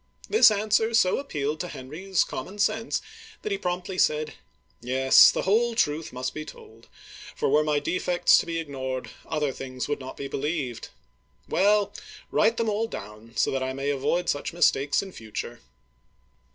*' This answer so ap pealed to Henry's common sense that he promptly said :" Yes, the whole truth must be told, for were my defects to be ignored, other things would not be believed. Well, write them all down, so that I may avoid such mistakes in future."